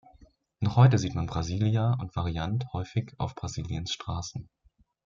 Noch heute sieht man Brasília und Variant häufig auf Brasiliens Straßen.